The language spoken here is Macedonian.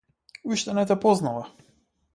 Уште не те познава.